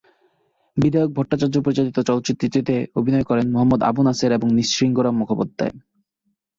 বিধায়ক ভট্টাচার্য পরিচালিত চলচ্চিত্রটিতে অভিনয় করেন মোহাম্মদ আবু নাসের এবং নৃসিংহরাম মুখোপাধ্যায়।